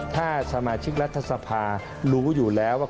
ถ้าสมาชิกรัฐสภารู้อยู่แล้วว่า